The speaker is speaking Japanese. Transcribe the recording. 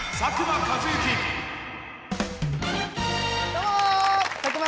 どうも！